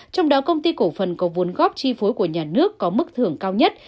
trong đó công ty cổ phần có vốn góp chi phối của nhà nước có mức thưởng cao nhất